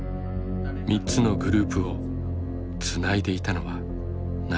３つのグループをつないでいたのは何者なのか。